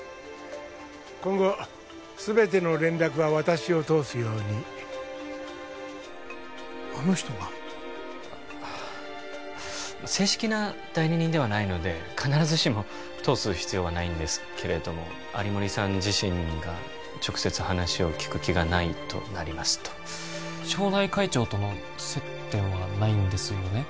今後全ての連絡は私を通すようにあの人が？はあ正式な代理人ではないので必ずしも通す必要はないんですけれども有森さん自身が直接話を聞く気がないとなりますと町内会長との接点はないんですよね？